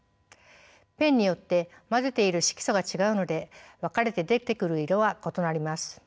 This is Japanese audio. ペンによって混ぜている色素が違うので分かれて出てくる色は異なります。